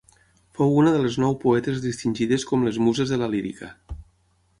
Fou una de les nou poetes distingides com les muses de la lírica.